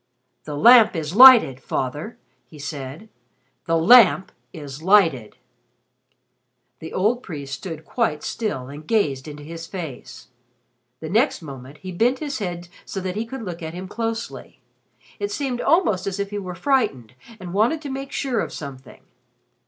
"The Lamp is lighted, Father," he said. "The Lamp is lighted." The old priest stood quite still and gazed into his face. The next moment he bent his head so that he could look at him closely. It seemed almost as if he were frightened and wanted to make sure of something.